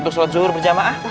untuk sholat zuhur berjamaah